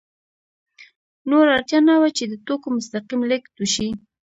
نور اړتیا نه وه چې د توکو مستقیم لېږد وشي